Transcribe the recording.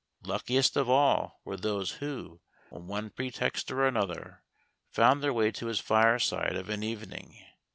Luckiest of all were those who, on one pretext or another, found their way to his fireside of an evening.